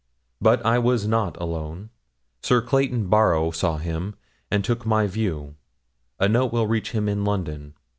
But I was not alone; Sir Clayton Barrow saw him, and took my view; a note will reach him in London.